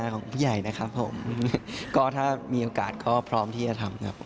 ก็ถ้ามีโอกาสก็พร้อมที่จะทำ